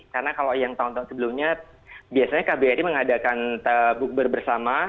karena kalau yang tahun tahun sebelumnya biasanya kbri mengadakan bukber bersama